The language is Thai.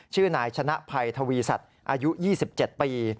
ชื่อนายชนะภัยทวีสัตว์อายุ๒๗ปี